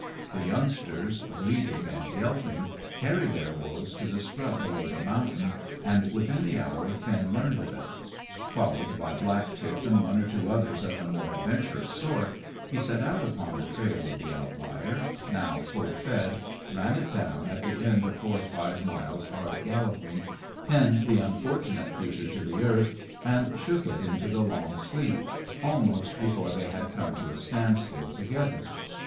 The youngsters, bleeding and yelping, carried their woes to the scrub below the mountain, and within the hour Finn learned of it. Followed by Black tip and one or two others of the more adventurous sort, he set out upon the trail of the outlier, now full fed, ran it down at the end of four or five miles' hard galloping, pinned the unfortunate creature to the earth and shook it into the long sleep, almost before they had come to a standstill together.